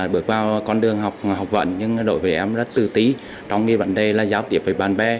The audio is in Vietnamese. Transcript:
bước vào con đường học vận nhưng đối với em rất tử tí trong cái vấn đề là giáo tiếp với bạn bè